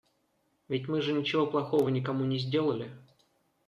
Ведь мы же ничего плохого никому не сделали.